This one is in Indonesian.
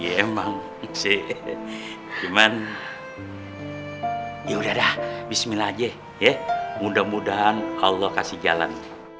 ya emang sih cuman ya udah dah bismillah aja ya mudah mudahan allah kasih jalan